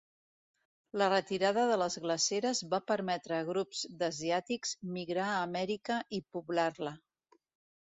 La retirada de les glaceres va permetre a grups d'asiàtics migrar a Amèrica i poblar-la.